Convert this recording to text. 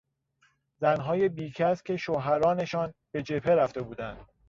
زنهای بیکس که شوهرانشان به جهبه رفته بودند